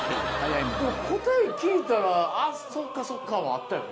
答え聞いたらあっそっかそっかはあったよね。